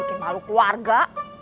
bikin malu keluarga